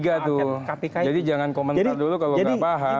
jadi jangan komentar dulu kalau gak paham